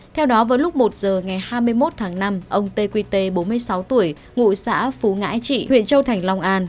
theo đó vào lúc một h ngày hai mươi một tháng năm ông tê quy tê bốn mươi sáu tuổi ngụ xã phú ngãi trị huyện châu thành long an